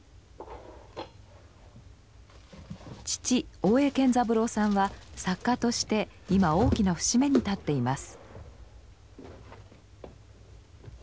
父大江健三郎さんは作家として今大きな節目に立っています。